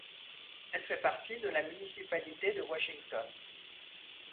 Elle fait partie de la municipalité de Washington.